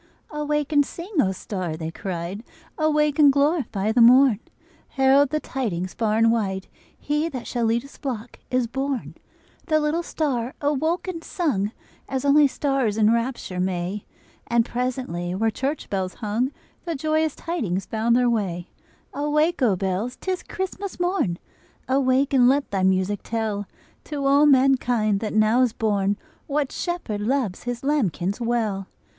"Awake and sing, O star!" they cried. "Awake and glorify the morn! Herald the tidings far and wide He that shall lead His flock is born!" The little star awoke and sung As only stars in rapture may, And presently where church bells hung The joyous tidings found their way. [Illustration: Share thou this holy time with me, The universal hymn of love. ] "Awake, O bells! 't is Christmas morn Awake and let thy music tell To all mankind that now is born What Shepherd loves His lambkins well!"